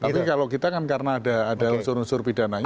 tapi kalau kita kan karena ada unsur unsur pidananya